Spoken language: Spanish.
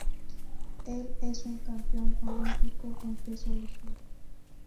Él es un campeón olímpico en peso ligero.